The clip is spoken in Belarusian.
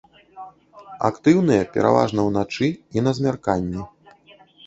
Актыўныя пераважна ўначы і на змярканні.